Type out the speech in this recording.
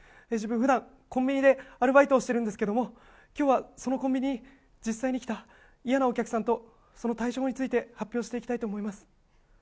自分、普段コンビニでアルバイトをしてるんですけれども、今日はそのコンビニに実際に来た嫌なお客さんとその対処法について発表していきたいと思います。